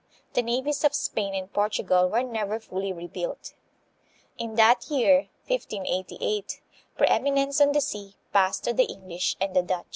The navies of Spain and Portugal were never fully rebuilt. In that year, 1588, preeminence on the sea passed to the English and the Dutch.